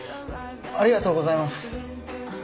ありがとうございます。